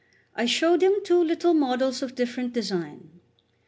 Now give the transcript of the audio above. I showed him two little models of different design.